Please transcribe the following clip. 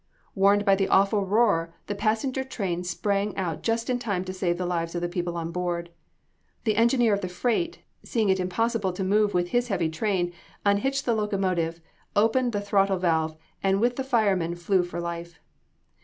Warned by the awful roar, the passenger train sprang out just in time to save the lives of the people on board. The engineer of the freight, seeing it impossible to move with his heavy train, unhitched the locomotive, opened the throttle valve, and with the fireman, flew for life.